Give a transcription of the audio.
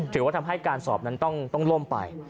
ถือว่าทำให้การสอบนั้นต้องล่มไป